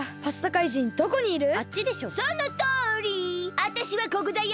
あたしはここだよ！